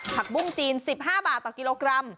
ผักบุ้งจีน๑๕บาทต่อกิโลกรัม